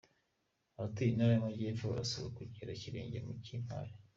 Abatuye Intara y’Amajyepfo barasabwa kugera ikirenge mu cy’intwari